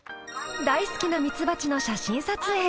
大好きなミツバチの写真撮影。